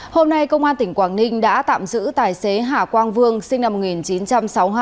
hôm nay công an tỉnh quảng ninh đã tạm giữ tài xế hà quang vương sinh năm một nghìn chín trăm sáu mươi hai